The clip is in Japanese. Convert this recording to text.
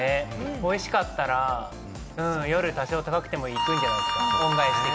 おいしかったら夜、多少高くても行くんじゃないですか。